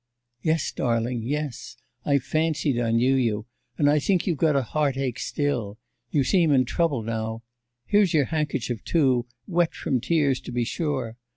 'Yes, darling, yes. I fancied I knew you. And I think you've a heart ache still. You seem in trouble now. Here's your handkerchief, too, wet from tears to be sure.